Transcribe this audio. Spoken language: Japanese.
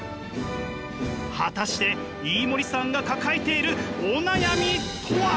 果たして飯森さんが抱えているお悩みとは！？